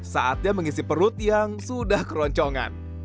saatnya mengisi perut yang sudah keroncongan